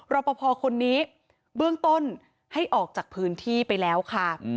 รอปภคนนี้เบื้องต้นให้ออกจากพื้นที่ไปแล้วค่ะ